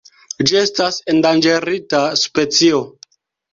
Ĝi estas endanĝerita specio.